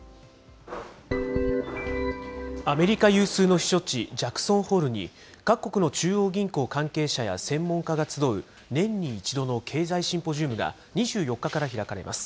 アメリカ有数の避暑地、ジャクソンホールに、各国の中央銀行専門家が集う、年に１度の経済シンポジウムが２４日から開かれます。